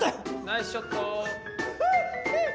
・ナイスショットー！